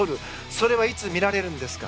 それはいつ見られるんですか。